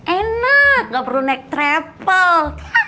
enak gak perlu naik travel